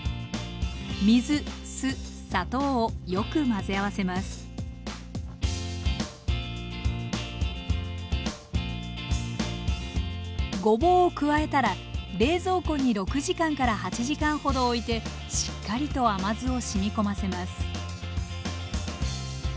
水酢砂糖をよく混ぜ合わせますごぼうを加えたら冷蔵庫に６時間から８時間ほどおいてしっかりと甘酢をしみこませます